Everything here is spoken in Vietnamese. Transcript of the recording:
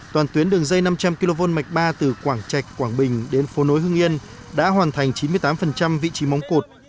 toàn tuyến đường dây năm trăm linh kv mạch ba từ quảng trạch quảng bình đến phố nối hưng yên đã hoàn thành chín mươi tám vị trí móng cột